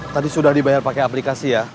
tadi sudah dibayar pakai aplikasi ya